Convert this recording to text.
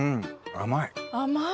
甘い！